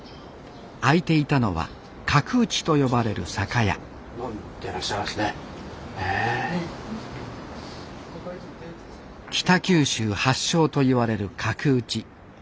開いていたのは「角打ち」と呼ばれる酒屋北九州発祥といわれる角打ち。